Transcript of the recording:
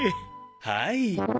はい。